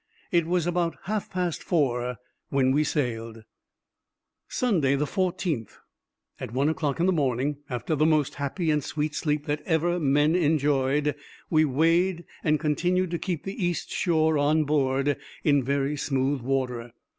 It was about half past four when we sailed. Sunday, 14th.—At one o'clock in the morning, after the most happy and sweet sleep that ever men enjoyed, we weighed, and continued to keep the east shore on board, in very smooth water.